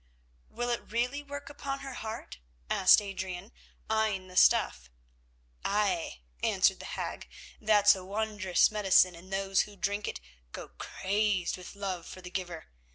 "Will it really work upon her heart?" asked Adrian, eyeing the stuff. "Ay," answered the hag, "that's a wondrous medicine, and those who drink it go crazed with love for the giver.